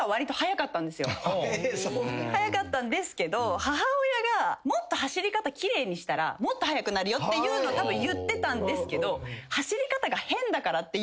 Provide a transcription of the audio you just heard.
速かったんですけど母親が「もっと走り方奇麗にしたらもっと速くなるよ」ってたぶん言ってたんですけど。